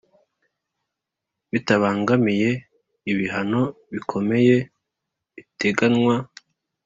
Bitabangamiye ibihano bikomeye biteganywa